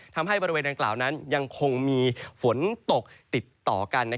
ทำให้บริเวณดังกล่าวนั้นยังคงมีฝนตกติดต่อกัน